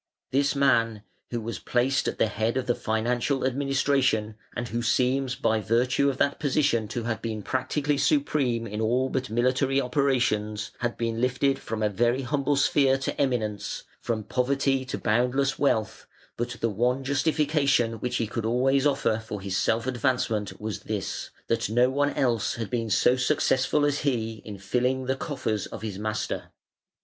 This man, who was placed at the head of the financial administration, and who seems by virtue of that position to have been practically supreme in all but military operations, had been lifted from a very humble sphere to eminence, from poverty to boundless wealth, but the one justification which he could always offer for his self advancement was this, that no one else had been so successful as he in filling the coffers of his master.